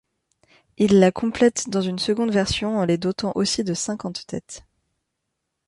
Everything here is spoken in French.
Il la complète dans une seconde version en les dotant aussi de cinquante têtes.